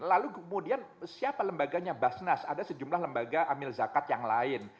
lalu kemudian siapa lembaganya basnas ada sejumlah lembaga amil zakat yang lain